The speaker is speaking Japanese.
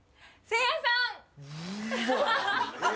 せいやさん。